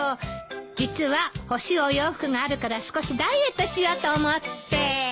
実は欲しいお洋服があるから少しダイエットしようと思って。